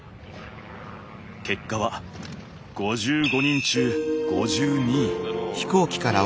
結果は５５人中５２位。